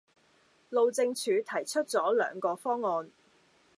路政署提出咗兩個方案